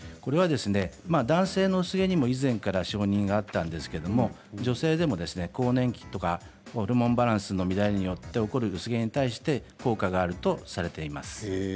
男性の薄毛にも以前から承認があったんですけど女性でも、更年期とかホルモンバランスの乱れによって起こる薄毛に対して効果があるとされています。